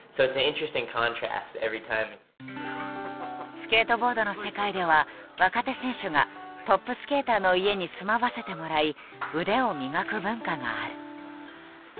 スケートボードの世界では若手選手がトップスケーターの家に住まわせてもらい腕を磨く文化がある。